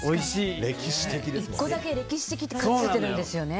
１個だけ歴史的ってついているんですよね。